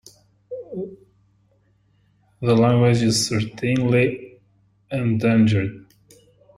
The language is certainly endangered.